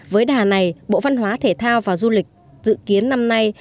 với đà này bộ văn hóa thể thao và du lịch dự kiến năm nay